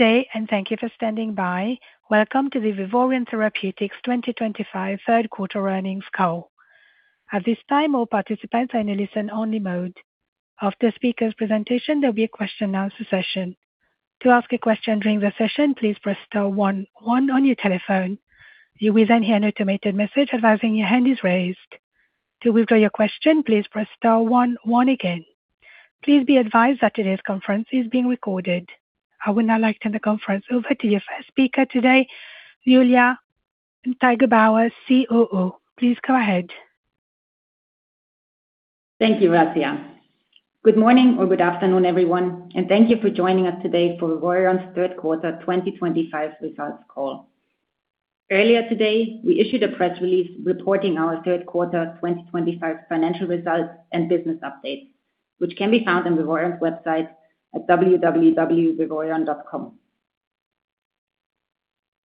Good day, and thank you for standing by. Welcome to the Vivoryon Therapeutics 2025 third quarter earnings call. At this time, all participants are in a listen-only mode. After the speaker's presentation, there will be a question-and-answer session. To ask a question during the session, please press star one, one on your telephone. You will then hear an automated message advising your hand is raised. To withdraw your question, please press star one, one again. Please be advised that today's conference is being recorded. I would now like to turn the conference over to your first speaker today, Julia Neugebauer, COO. Please go ahead. Thank you, Razia. Good morning or good afternoon, everyone, and thank you for joining us today for Vivoryon's third quarter 2025 results call. Earlier today, we issued a press release reporting our third quarter 2025 financial results and business updates, which can be found on Vivoryon's website at www.vivoryon.com.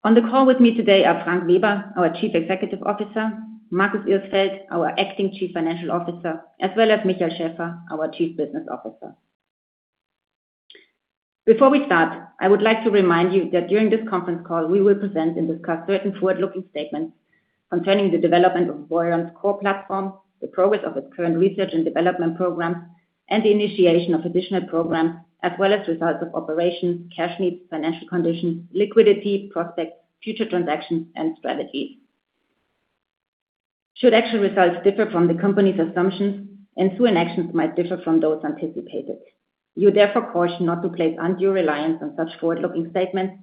On the call with me today are Frank Weber, our Chief Executive Officer, Marcus Ilsfeld, our Acting Chief Financial Officer, as well as Michael Schaeffer, our Chief Business Officer. Before we start, I would like to remind you that during this conference call, we will present and discuss certain forward-looking statements concerning the development of Vivoryon's core platform, the progress of its current research and development programs, and the initiation of additional programs, as well as results of operations, cash needs, financial conditions, liquidity prospects, future transactions, and strategies. Should actual results differ from the company's assumptions, ensuing actions might differ from those anticipated. You are therefore cautioned not to place undue reliance on such forward-looking statements,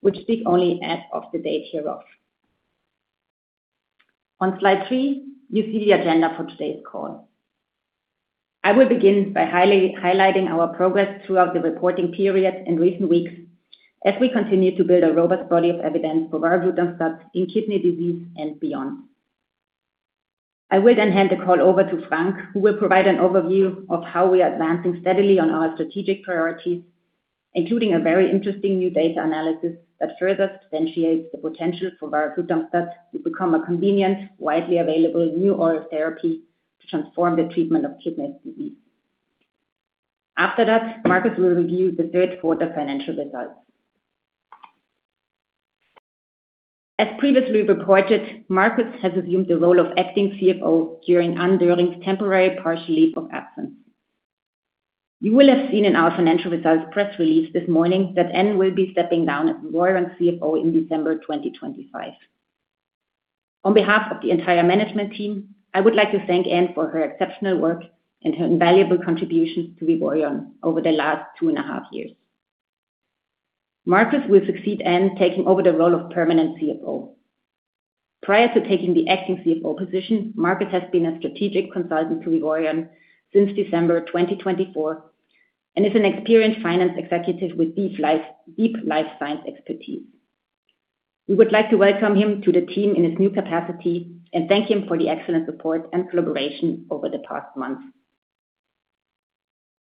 which speak only as of the date hereof. On slide three, you see the agenda for today's call. I will begin by highlighting our progress throughout the reporting period and recent weeks as we continue to build a robust body of evidence for varoglutamstat in kidney disease and beyond. I will then hand the call over to Frank, who will provide an overview of how we are advancing steadily on our strategic priorities, including a very interesting new data analysis that further substantiates the potential for varoglutamstat to become a convenient, widely available new oral therapy to transform the treatment of kidney disease. After that, Marcus will review the third quarter financial results. As previously reported, Marcus has assumed the role of Acting CFO during Anne Doering's temporary partial leave of absence. You will have seen in our financial results press release this morning that Anne will be stepping down as Vivoryon CFO in December 2025. On behalf of the entire management team, I would like to thank Anne for her exceptional work and her invaluable contributions to Vivoryon over the last two and a half years. Marcus will succeed Anne taking over the role of permanent CFO. Prior to taking the Acting CFO position, Marcus has been a strategic consultant to Vivoryon since December 2024 and is an experienced finance executive with deep life science expertise. We would like to welcome him to the team in his new capacity and thank him for the excellent support and collaboration over the past month.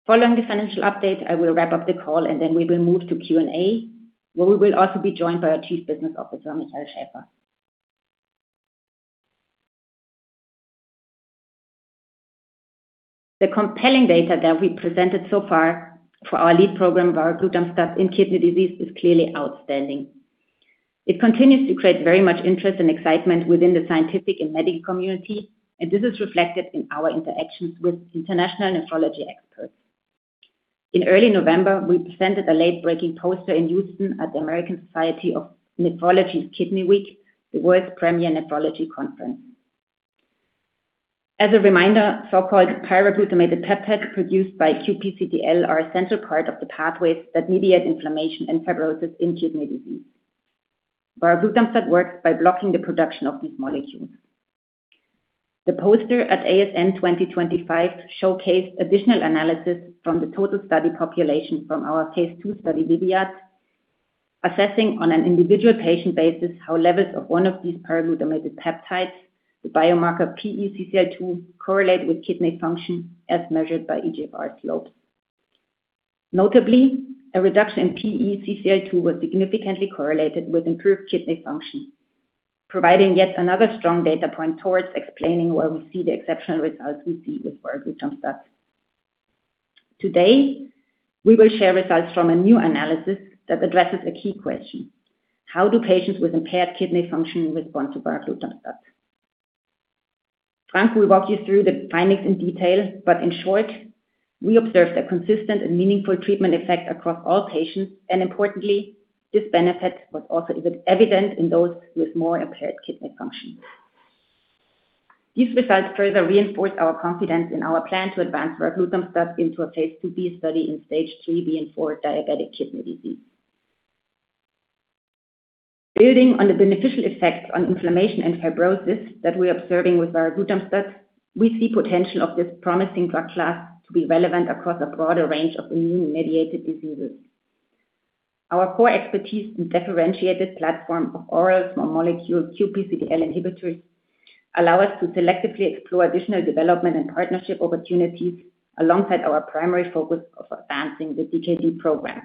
Following the financial update, I will wrap up the call, and then we will move to Q&A, where we will also be joined by our Chief Business Officer, Michael Schaeffer. The compelling data that we presented so far for our lead program, varoglutamstat in kidney disease, is clearly outstanding. It continues to create very much interest and excitement within the scientific and medical community, and this is reflected in our interactions with international nephrology experts. In early November, we presented a late-breaking poster in Houston at the American Society of Nephrology's Kidney Week, the world's premier nephrology conference. As a reminder, so-called pyroglutamate peptides produced by QPCTL are a central part of the pathways that mediate inflammation and fibrosis in kidney disease. Varoglutamstat works by blocking the production of these molecules. The poster at ASN 2025 showcased additional analysis from the total study population from our phase II study, VIVYAD, assessing on an individual patient basis how levels of one of these pyroglutamate peptides, the biomarker pGlu-CCL2, correlate with kidney function as measured by eGFR slopes. Notably, a reduction in pGlu-CCL2 was significantly correlated with improved kidney function, providing yet another strong data point towards explaining why we see the exceptional results we see with varoglutamstat. Today, we will share results from a new analysis that addresses a key question: how do patients with impaired kidney function respond to varoglutamstat? Frank, we walk you through the findings in detail, but in short, we observed a consistent and meaningful treatment effect across all patients, and importantly, this benefit was also evident in those with more impaired kidney function. These results further reinforce our confidence in our plan to advance varoglutamstat into a phase II-B study in stage 3b and 4 diabetic kidney disease. Building on the beneficial effects on inflammation and fibrosis that we are observing with varoglutamstat, we see the potential of this promising drug class to be relevant across a broader range of immune-mediated diseases. Our core expertise and differentiated platform of oral small molecule QPCTL inhibitors allow us to selectively explore additional development and partnership opportunities alongside our primary focus of advancing the DKD program.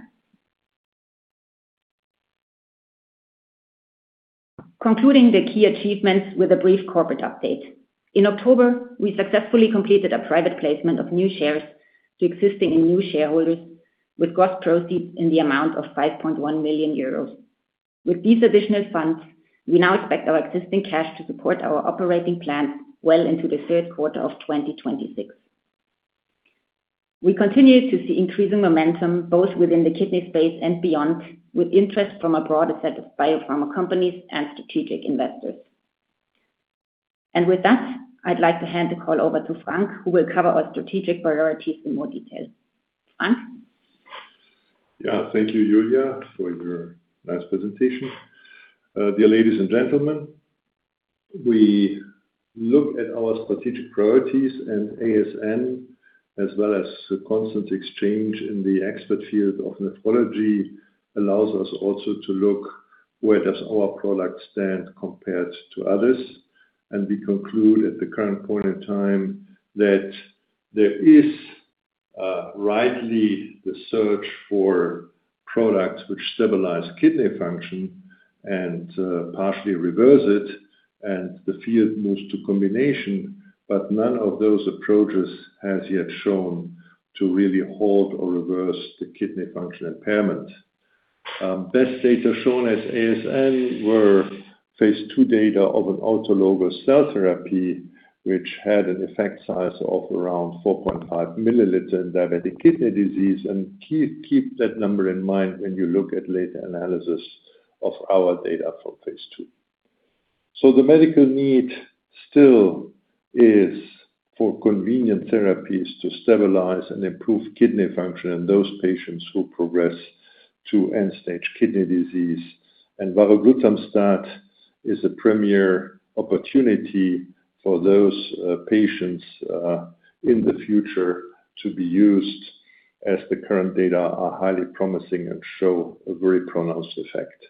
Concluding the key achievements with a brief corporate update. In October, we successfully completed a private placement of new shares to existing and new shareholders with gross proceeds in the amount of 5.1 million euros. With these additional funds, we now expect our existing cash to support our operating plan well into the third quarter of 2026. We continue to see increasing momentum both within the kidney space and beyond, with interest from a broader set of biopharma companies and strategic investors. And with that, I'd like to hand the call over to Frank, who will cover our strategic priorities in more detail. Frank? Yeah, thank you, Julia, for your nice presentation. Dear ladies and gentlemen, we look at our strategic priorities, and ASN, as well as the constant exchange in the expert field of nephrology, allows us also to look where does our product stand compared to others. And we conclude at the current point in time that there is rightly the search for products which stabilize kidney function and partially reverse it, and the field moves to combination, but none of those approaches has yet shown to really halt or reverse the kidney function impairment. Best data shown at ASN were phase II data of an autologous cell therapy, which had an effect size of around 4.5 milliliter in diabetic kidney disease, and keep that number in mind when you look at later analysis of our data from phase II. The medical need still is for convenient therapies to stabilize and improve kidney function in those patients who progress to end-stage kidney disease, and varoglutamstat is a premier opportunity for those patients in the future to be used as the current data are highly promising and show a very pronounced effect.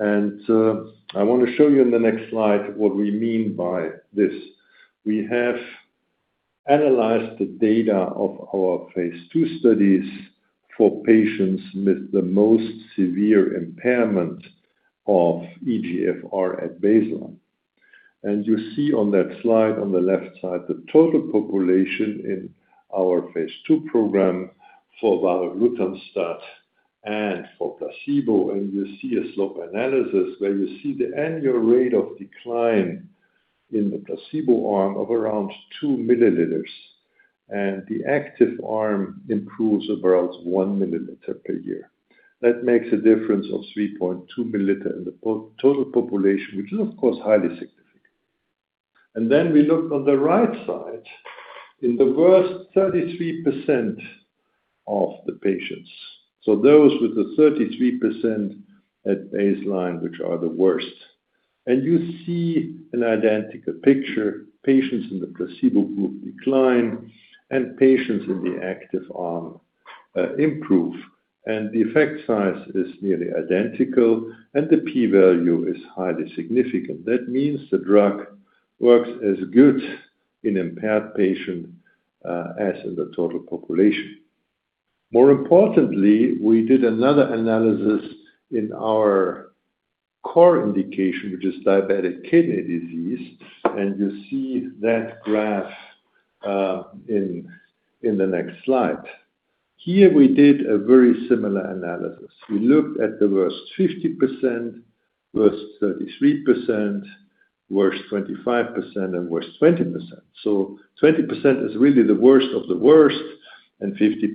I want to show you in the next slide what we mean by this. We have analyzed the data of our phase II studies for patients with the most severe impairment of eGFR at baseline. You see on that slide on the left side the total population in our phase II program for varoglutamstat and for placebo, and you see a slope analysis where you see the annual rate of decline in the placebo arm of around 2 mL, and the active arm improves about 1 mL per year. That makes a difference of 3.2 mL in the total population, which is, of course, highly significant, and then we look on the right side in the worst 33% of the patients, so those with the 33% at baseline, which are the worst. And you see an identical picture: patients in the placebo group decline, and patients in the active arm improve, and the effect size is nearly identical, and the p-value is highly significant, and that means the drug works as good in impaired patients as in the total population. More importantly, we did another analysis in our core indication, which is diabetic kidney disease, and you see that graph in the next slide. Here we did a very similar analysis. We looked at the worst 50%, worst 33%, worst 25%, and worst 20%. So 20% is really the worst of the worst, and 50%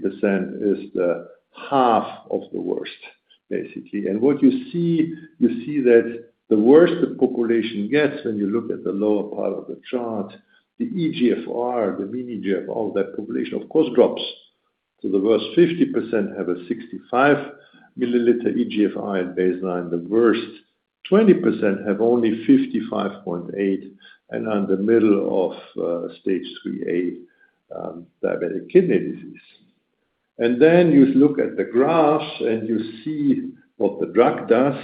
is the half of the worst, basically. And what you see, you see that the worst the population gets when you look at the lower part of the chart, the eGFR, the mean eGFR of that population, of course, drops. So the worst 50% have a 65 mL eGFR at baseline, the worst 20% have only 55.8, and on the middle of stage three A diabetic kidney disease. And then you look at the graphs, and you see what the drug does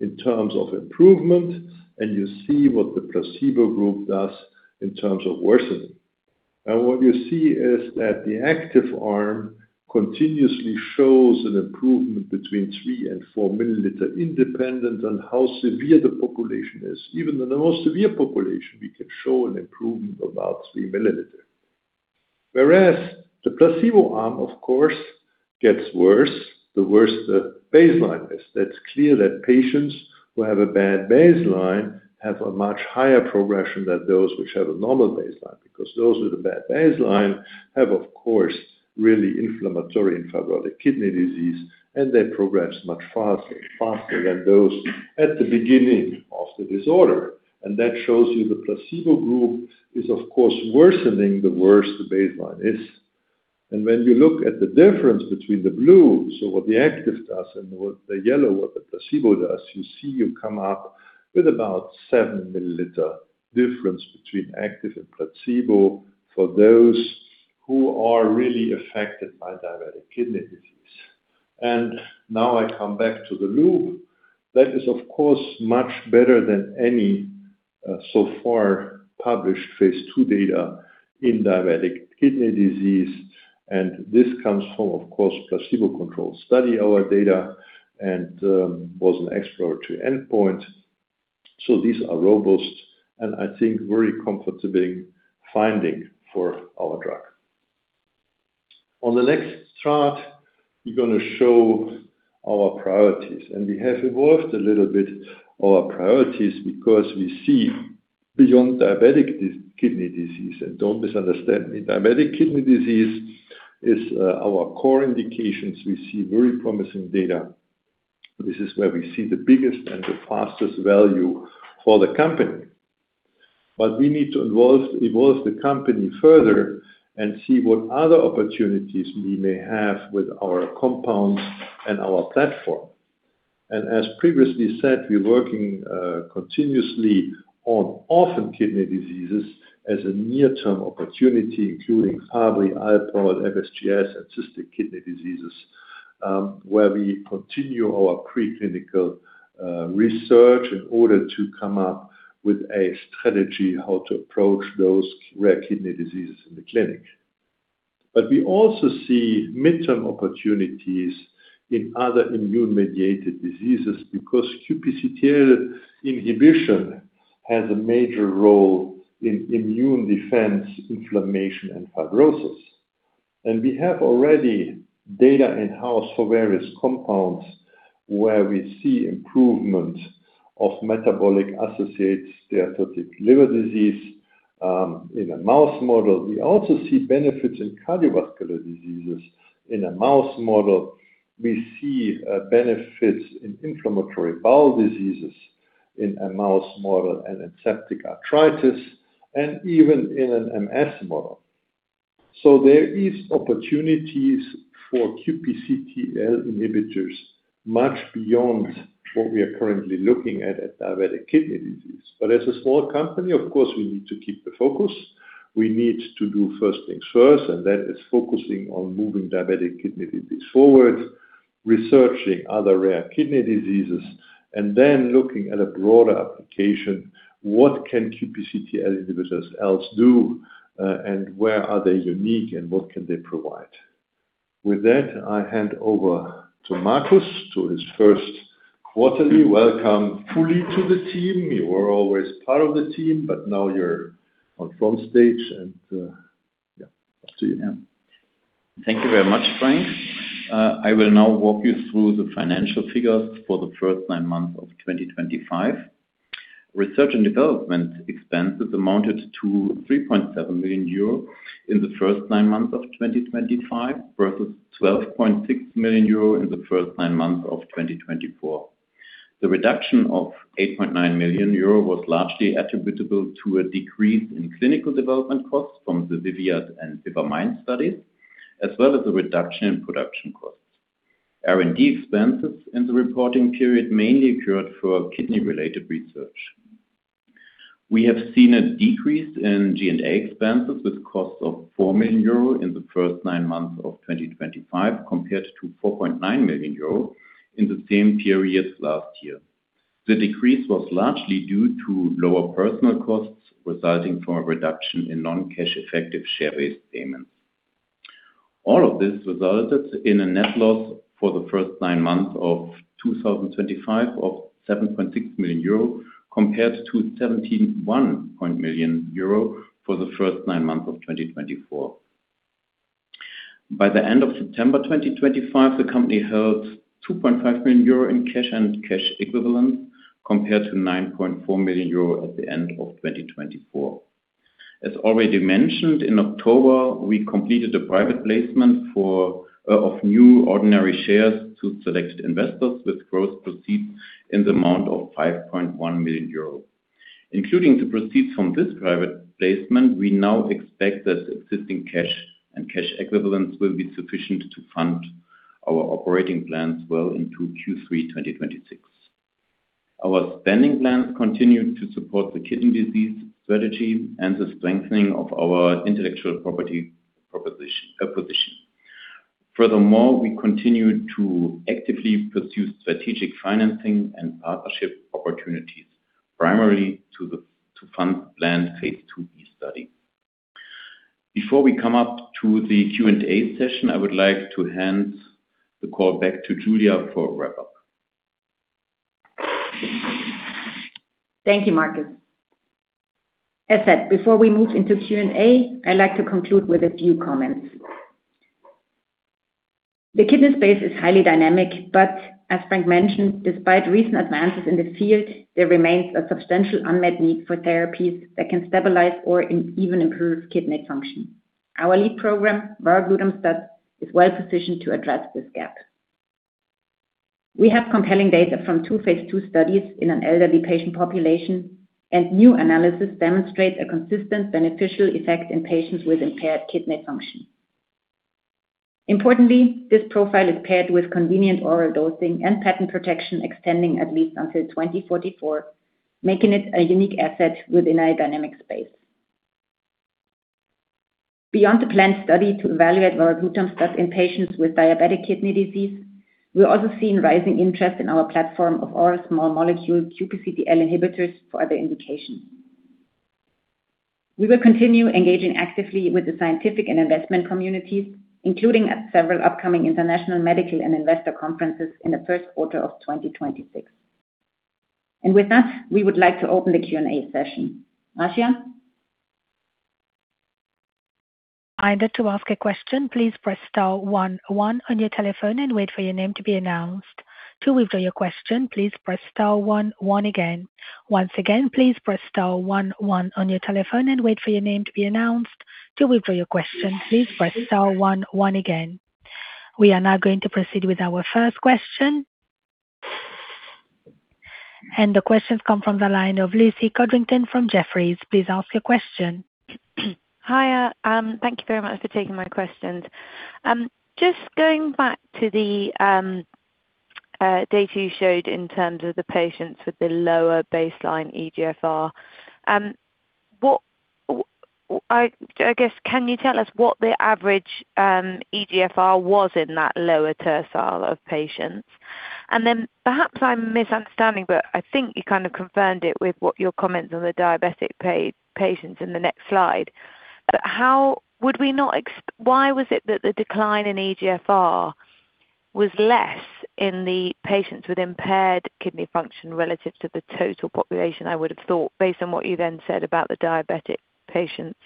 in terms of improvement, and you see what the placebo group does in terms of worsening. And what you see is that the active arm continuously shows an improvement between 3 mL and 4 mL independent on how severe the population is. Even in the most severe population, we can show an improvement of about 3 mL. Whereas the placebo arm, of course, gets worse the worse the baseline is. That's clear that patients who have a bad baseline have a much higher progression than those which have a normal baseline, because those with a bad baseline have, of course, really inflammatory and fibrotic kidney disease, and they progress much faster than those at the beginning of the disorder. And that shows you the placebo group is, of course, worsening the worse the baseline is. And when you look at the difference between the blue, so what the active does, and the yellow, what the placebo does, you see you come up with about 7 mL difference between active and placebo for those who are really affected by diabetic kidney disease. And now I come back to the loop. That is, of course, much better than any so far published phase II data in diabetic kidney disease, and this comes from, of course, placebo-controlled study, our data, and was an exploratory endpoint, so these are robust, and I think very comfortable findings for our drug. On the next slide, we're going to show our priorities, and we have evolved a little bit our priorities because we see beyond diabetic kidney disease, and don't misunderstand me, diabetic kidney disease is our core indications. We see very promising data. This is where we see the biggest and the fastest value for the company, but we need to evolve the company further and see what other opportunities we may have with our compounds and our platform. And as previously said, we're working continuously on orphan kidney diseases as a near-term opportunity, including Fabry, Alport, FSGS, and cystic kidney diseases, where we continue our preclinical research in order to come up with a strategy how to approach those rare kidney diseases in the clinic. But we also see midterm opportunities in other immune-mediated diseases because QPCTL inhibition has a major role in immune defense, inflammation, and fibrosis. And we have already data in-house for various compounds where we see improvement of metabolic dysfunction-associated steatotic liver disease in a mouse model. We also see benefits in cardiovascular diseases. In a mouse model, we see benefits in inflammatory bowel diseases in a mouse model and in septic arthritis, and even in an MS model. So there are opportunities for QPCTL inhibitors much beyond what we are currently looking at at diabetic kidney disease. But as a small company, of course, we need to keep the focus. We need to do first things first, and that is focusing on moving diabetic kidney disease forward, researching other rare kidney diseases, and then looking at a broader application. What can QPCTL inhibitors else do, and where are they unique, and what can they provide? With that, I hand over to Marcus to his first quarterly welcome fully to the team. You were always part of the team, but now you're on front stage, and yeah, up to you. Thank you very much, Frank. I will now walk you through the financial figures for the first nine months of 2025. Research and development expenses amounted to 3.7 million euro in the first nine months of 2025 versus 12.6 million euro in the first nine months of 2024. The reduction of 8.9 million euro was largely attributable to a decrease in clinical development costs from the VIVYAD and VIVA-MIND studies, as well as a reduction in production costs. R&D expenses in the reporting period mainly occurred for kidney-related research. We have seen a decrease in G&A expenses with costs of 4 million euro in the first nine months of 2025 compared to 4.9 million euro in the same period last year. The decrease was largely due to lower personnel costs resulting from a reduction in non-cash effective share-based payments. All of this resulted in a net loss for the first nine months of 2025 of 7.6 million euro compared to 17.1 million euro for the first nine months of 2024. By the end of September 2025, the company held 2.5 million euro in cash and cash equivalents compared to 9.4 million euro at the end of 2024. As already mentioned, in October, we completed a private placement of new ordinary shares to selected investors with gross proceeds in the amount of 5.1 million euros. Including the proceeds from this private placement, we now expect that existing cash and cash equivalents will be sufficient to fund our operating plans well into Q3 2026. Our spending plans continue to support the kidney disease strategy and the strengthening of our intellectual property position. Furthermore, we continue to actively pursue strategic financing and partnership opportunities, primarily to fund planned phase II-B studies. Before we come up to the Q&A session, I would like to hand the call back to Julia for a wrap-up. Thank you, Marcus. As said, before we move into Q&A, I'd like to conclude with a few comments. The kidney space is highly dynamic, but as Frank mentioned, despite recent advances in the field, there remains a substantial unmet need for therapies that can stabilize or even improve kidney function. Our lead program, varoglutamstat, is well positioned to address this gap. We have compelling data from two phase II studies in an elderly patient population, and new analysis demonstrates a consistent beneficial effect in patients with impaired kidney function. Importantly, this profile is paired with convenient oral dosing and patent protection extending at least until 2044, making it a unique asset within a dynamic space. Beyond the planned study to evaluate varoglutamstat in patients with diabetic kidney disease, we also see rising interest in our platform of our small molecule QPCTL inhibitors for other indications. We will continue engaging actively with the scientific and investment communities, including at several upcoming international medical and investor conferences in the first quarter of 2026. And with that, we would like to open the Q&A session. Asha? I'd like to ask a question. Please press star 11 on your telephone and wait for your name to be announced. To withdraw your question, please press star 11 again. Once again, please press star 11 on your telephone and wait for your name to be announced. To withdraw your question, please press star 11 again. We are now going to proceed with our first question. And the questions come from the line of Lucy Codrington from Jefferies. Please ask your question. Hi, thank you very much for taking my questions. Just going back to the data you showed in terms of the patients with the lower baseline eGFR, I guess, can you tell us what the average eGFR was in that lower tercile of patients? And then perhaps I'm misunderstanding, but I think you kind of confirmed it with what your comments on the diabetic patients in the next slide. But how would we not expect why was it that the decline in eGFR was less in the patients with impaired kidney function relative to the total population? I would have thought, based on what you then said about the diabetic patients,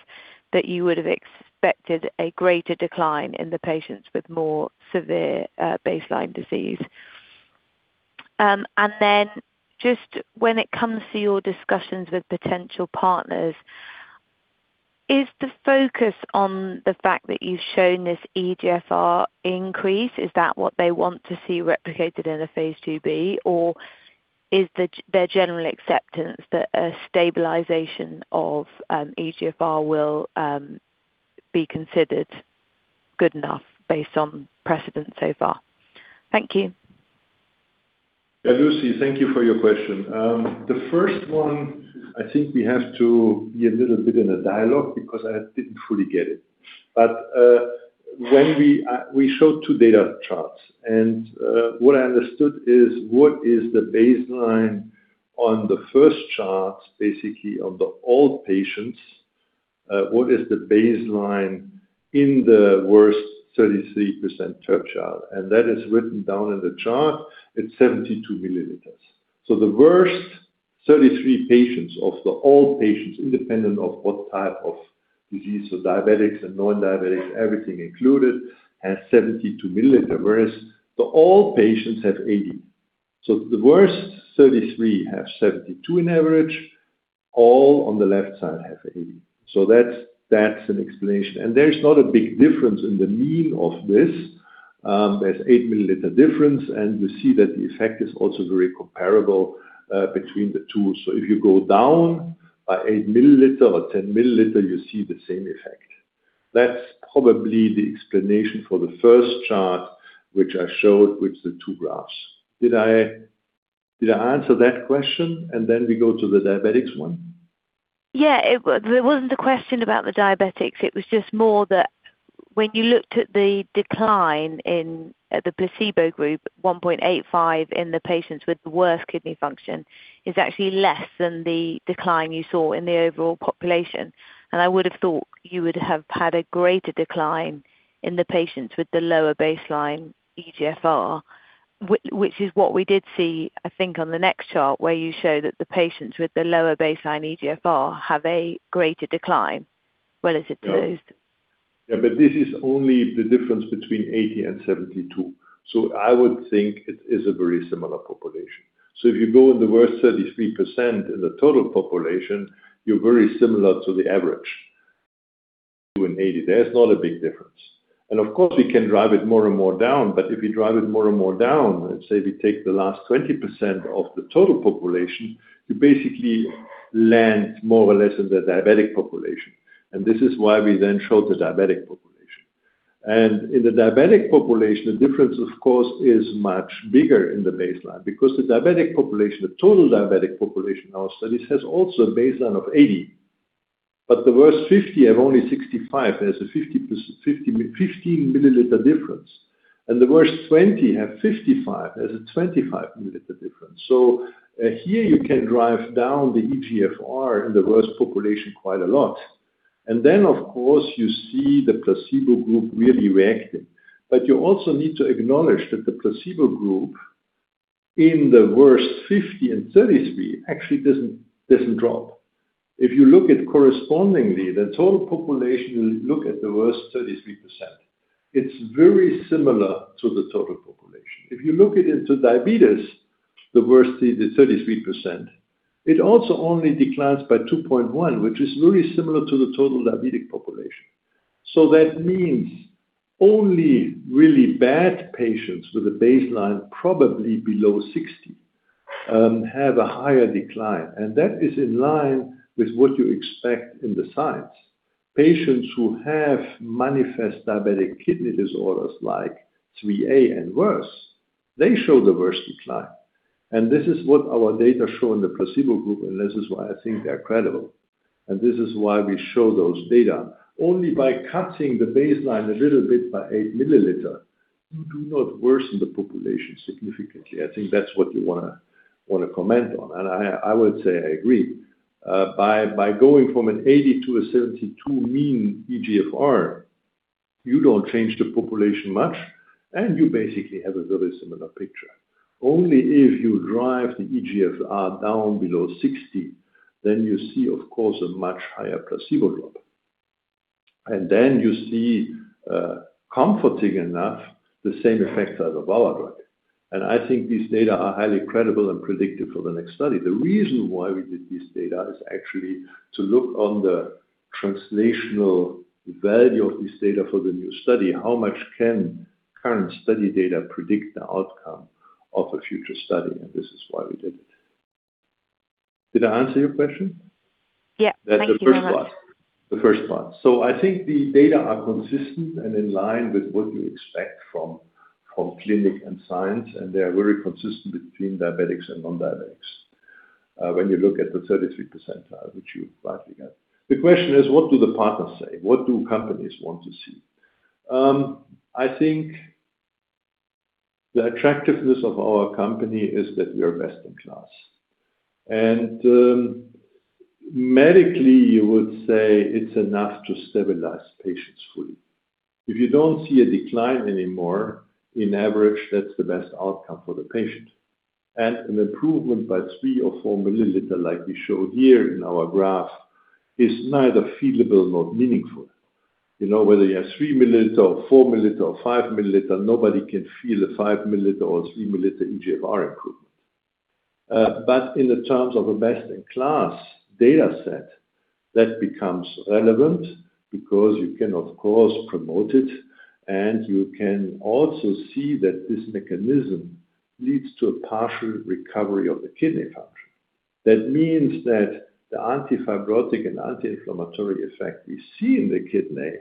that you would have expected a greater decline in the patients with more severe baseline disease. Then just when it comes to your discussions with potential partners, is the focus on the fact that you've shown this eGFR increase, is that what they want to see replicated in a phase II-B, or is there general acceptance that a stabilization of eGFR will be considered good enough based on precedent so far? Thank you. Lucy, thank you for your question. The first one, I think we have to be a little bit in a dialogue because I didn't fully get it. But when we showed two data charts, and what I understood is what is the baseline on the first chart, basically on the old patients, what is the baseline in the worst 33% tertile? And that is written down in the chart. It's 72 mL. So the worst 33 patients of the old patients, independent of what type of disease, so diabetics and non-diabetics, everything included, has 72 mL, whereas the old patients have 80. So the worst 33 have 72 on average. All on the left side have 80. So that's an explanation. And there's not a big difference in the mean of this. There's 8 mL difference, and you see that the effect is also very comparable between the two. So if you go down by 8 mL or 10 mL, you see the same effect. That's probably the explanation for the first chart, which I showed, which the two graphs. Did I answer that question? And then we go to the diabetics one? Yeah, there wasn't a question about the diabetics. It was just more that when you looked at the decline in the placebo group, 1.85 in the patients with the worst kidney function is actually less than the decline you saw in the overall population. And I would have thought you would have had a greater decline in the patients with the lower baseline eGFR, which is what we did see, I think, on the next chart where you show that the patients with the lower baseline eGFR have a greater decline relative to those. Yeah, but this is only the difference between 80 mL and 72 mL. So I would think it is a very similar population. So if you go in the worst 33% in the total population, you're very similar to the average in 80 mL. There's not a big difference. And of course, we can drive it more and more down, but if you drive it more and more down, let's say we take the last 20% of the total population, you basically land more or less in the diabetic population. And this is why we then showed the diabetic population. And in the diabetic population, the difference, of course, is much bigger in the baseline because the diabetic population, the total diabetic population in our studies has also a baseline of 80. But the worst 50 mL have only 65 mL. There's a 15 mL difference. And the worst 20 mL have 55 mL. There's a 25 mL difference. So here you can drive down the eGFR in the worst population quite a lot. And then, of course, you see the placebo group really reacting. But you also need to acknowledge that the placebo group in the worst 50% and 33% actually doesn't drop. If you look at correspondingly, the total population, you look at the worst 33%, it's very similar to the total population. If you look at it in diabetes, the worst 33%, it also only declines by 2.1, which is very similar to the total diabetic population. So that means only really bad patients with a baseline probably below 60 have a higher decline. And that is in line with what you expect in the science. Patients who have manifest diabetic kidney disease like 3a and worse, they show the worst decline. And this is what our data show in the placebo group, and this is why I think they're credible. And this is why we show those data. Only by cutting the baseline a little bit by 8 mL, you do not worsen the population significantly. I think that's what you want to comment on. And I would say I agree. By going from an 80 to a 72 mean eGFR, you don't change the population much, and you basically have a very similar picture. Only if you drive the eGFR down below 60, then you see, of course, a much higher placebo drop. And then you see, comforting enough, the same effects as a VALA drug. And I think these data are highly credible and predictive for the next study. The reason why we did this data is actually to look on the translational value of this data for the new study. How much can current study data predict the outcome of a future study? And this is why we did it. Did I answer your question? Yeah. That's the first part. The first part. I think the data are consistent and in line with what you expect from clinic and science, and they are very consistent between diabetics and non-diabetics when you look at the 33 percentile, which you've rightly got. The question is, what do the partners say? What do companies want to see? I think the attractiveness of our company is that we are best in class. And medically, you would say it's enough to stabilize patients fully. If you don't see a decline anymore, in average, that's the best outcome for the patient. And an improvement by three or 4 mL, like we showed here in our graph, is neither feelable nor meaningful. Whether you have 3 mL or 4 mL or 5 mL nobody can feel a 5 mL or 3 mL eGFR improvement. But in the terms of a best-in-class data set, that becomes relevant because you can, of course, promote it, and you can also see that this mechanism leads to a partial recovery of the kidney function. That means that the anti-fibrotic and anti-inflammatory effect we see in the kidney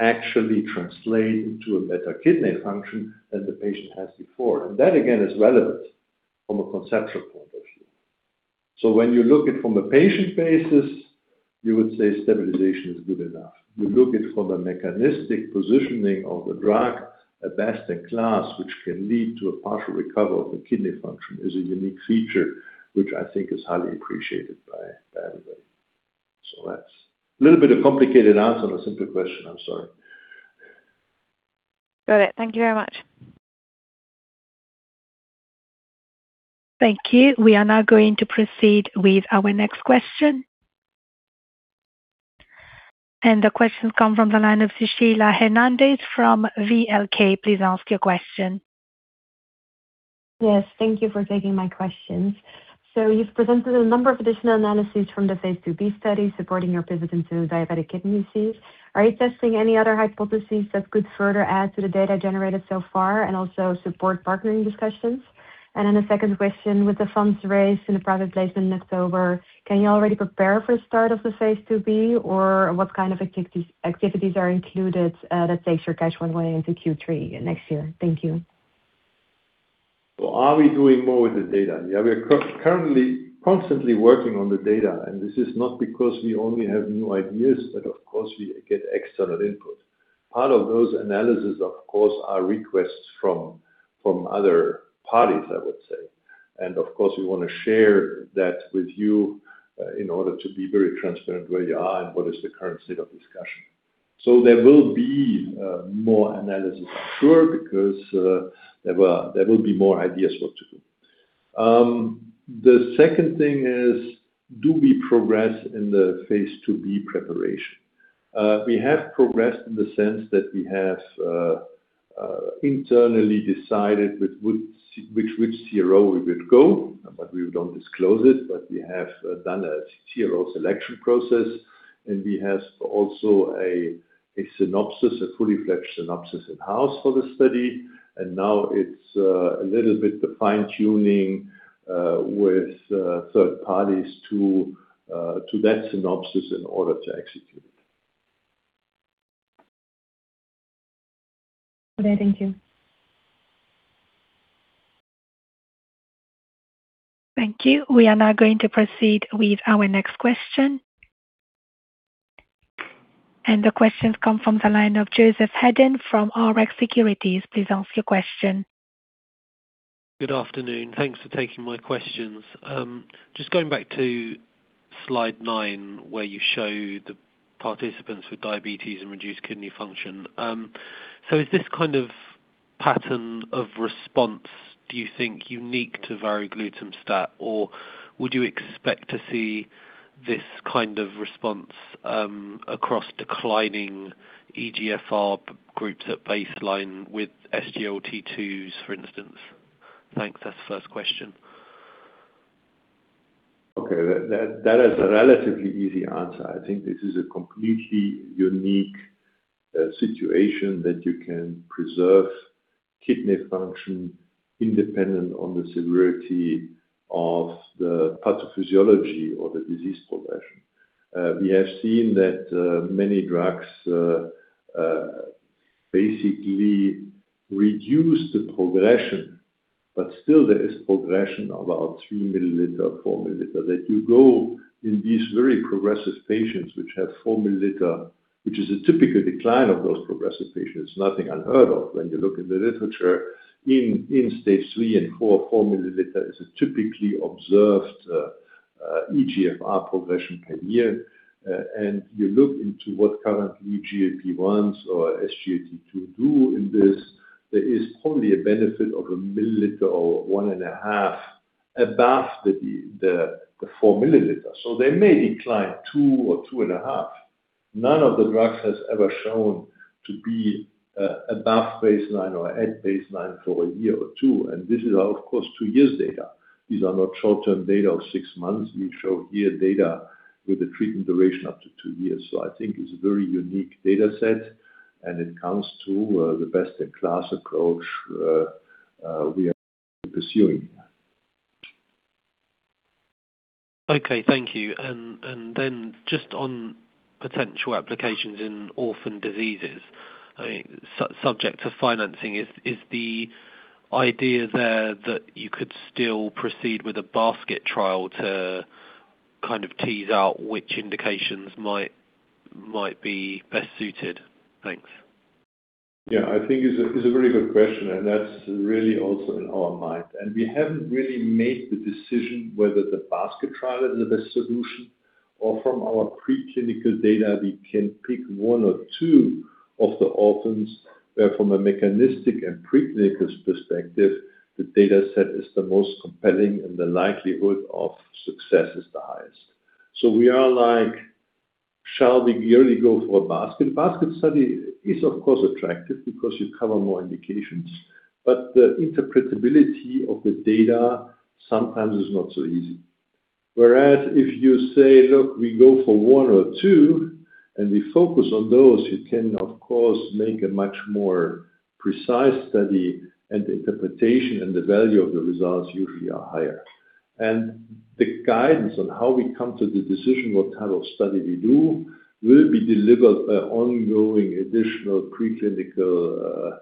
actually translates into a better kidney function than the patient has before. And that, again, is relevant from a conceptual point of view. So when you look at it from a patient basis, you would say stabilization is good enough. You look at it from a mechanistic positioning of the drug, a best-in-class, which can lead to a partial recovery of the kidney function is a unique feature, which I think is highly appreciated by everybody. So that's a little bit of a complicated answer on a simple question. I'm sorry. Got it. Thank you very much. Thank you. We are now going to proceed with our next question, and the questions come from the line of Cecilia Hernandez from VLK. Please ask your question. Yes, thank you for taking my questions. So you've presented a number of additional analyses from the phase II-B studies supporting your pivot into diabetic kidney disease. Are you testing any other hypotheses that could further add to the data generated so far and also support partnering discussions? And then the second question, with the funds raised in the private placement in October, can you already prepare for the start of the phase II-B, or what kind of activities are included that takes your cash runway into Q3 next year? Thank you. Are we doing more with the data? Yeah, we're currently constantly working on the data, and this is not because we only have new ideas, but of course, we get external input. Part of those analyses, of course, are requests from other parties, I would say, and of course, we want to share that with you in order to be very transparent where you are and what is the current state of discussion, so there will be more analysis, I'm sure, because there will be more ideas what to do. The second thing is, do we progress in the phase II-B preparation? We have progressed in the sense that we have internally decided with which CRO we would go, but we don't disclose it, but we have done a CRO selection process, and we have also a synopsis, a fully-fledged synopsis in-house for the study. Now it's a little bit the fine-tuning with third parties to that synopsis in order to execute it. Okay, thank you. Thank you. We are now going to proceed with our next question. And the questions come from the line of Joseph Hedden from Rx Securities. Please ask your question. Good afternoon. Thanks for taking my questions. Just going back to slide nine, where you show the participants with diabetes and reduced kidney function. So is this kind of pattern of response, do you think, unique to varoglutamstat, or would you expect to see this kind of response across declining eGFR groups at baseline with SGLT2s, for instance? Thanks. That's the first question. Okay. That is a relatively easy answer. I think this is a completely unique situation that you can preserve kidney function independent of the severity of the pathophysiology or the disease progression. We have seen that many drugs basically reduce the progression, but still there is progression of about 3 mL, 4 milliliters. That you go in these very progressive patients which have 4 milliliters, which is a typical decline of those progressive patients. It's nothing unheard of when you look in the literature. In stage three and four, 4 milliliters is a typically observed eGFR progression per year. And you look into what currently GLP-1s or SGLT2s do in this, there is probably a benefit of a milliliter or one and a half above the 4 milliliters. So they may decline two or two and a half. None of the drugs has ever shown to be above baseline or at baseline for a year or two. And this is, of course, two years data. These are not short-term data of six months. We show here data with a treatment duration up to two years. So I think it's a very unique data set, and it comes to the best-in-class approach we are pursuing here. Okay, thank you. And then just on potential applications in orphan diseases, subject to financing, is the idea there that you could still proceed with a basket trial to kind of tease out which indications might be best suited? Thanks. Yeah, I think it's a very good question, and that's really also in our mind, and we haven't really made the decision whether the basket trial is the best solution, or from our preclinical data, we can pick one or two of the orphans where, from a mechanistic and preclinical perspective, the data set is the most compelling and the likelihood of success is the highest, so we are like, shall we really go for a basket? Basket study is, of course, attractive because you cover more indications, but the interpretability of the data sometimes is not so easy. Whereas if you say, "Look, we go for one or two," and we focus on those, you can, of course, make a much more precise study, and the interpretation and the value of the results usually are higher. The guidance on how we come to the decision what type of study we do will be delivered by ongoing additional preclinical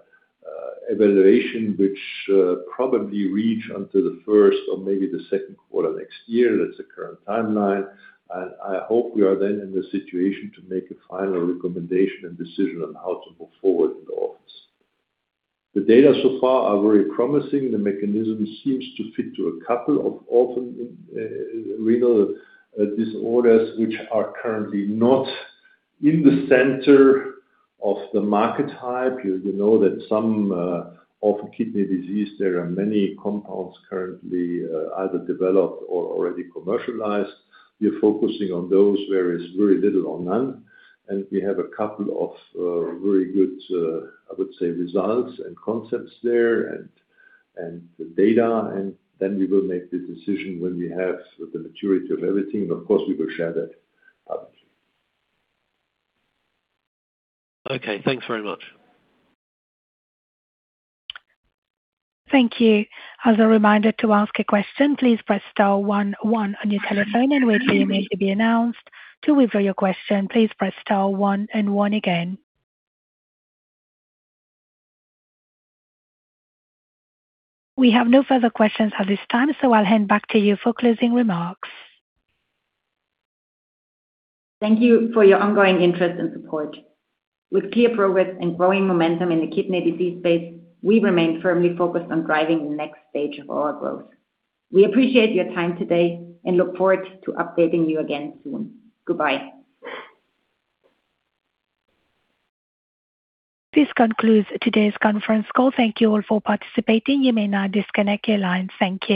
evaluation, which probably reach until the first or maybe the second quarter next year. That's the current timeline. I hope we are then in the situation to make a final recommendation and decision on how to move forward in the office. The data so far are very promising. The mechanism seems to fit to a couple of orphan renal disorders, which are currently not in the center of the market hype. You know that some orphan kidney disease, there are many compounds currently either developed or already commercialized. We are focusing on those where it's very little or none. We have a couple of very good, I would say, results and concepts there and data. And then we will make the decision when we have the maturity of everything. And of course, we will share that publicly. Okay, thanks very much. Thank you. As a reminder to ask a question, please press star one on your telephone, and wait for your name to be announced. To withdraw your question, please press star one and one again. We have no further questions at this time, so I'll hand back to you for closing remarks. Thank you for your ongoing interest and support. With clear progress and growing momentum in the kidney disease space, we remain firmly focused on driving the next stage of our growth. We appreciate your time today and look forward to updating you again soon. Goodbye. This concludes today's conference call. Thank you all for participating. You may now disconnect your line. Thank you.